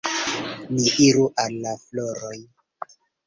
Ni iru al la floroj.